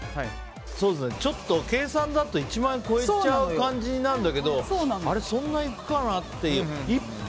ちょっと計算だと１万円を超えちゃう感じになるんだけどあれ、そんないくかなって。